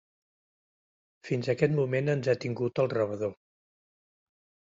Fins aquest moment ens ha tingut al rebedor.